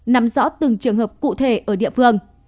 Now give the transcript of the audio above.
nằm rõ từng trường hợp cụ thể ở địa phương